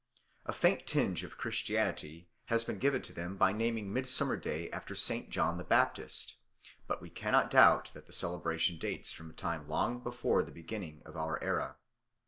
A faint tinge of Christianity has been given to them by naming Midsummer Day after St. John the Baptist, but we cannot doubt that the celebration dates from a time long before the beginning of our era.